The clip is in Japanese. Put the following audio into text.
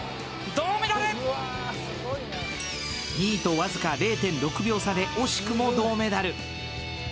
２位と僅か０．６秒差で惜しくも銅メダル。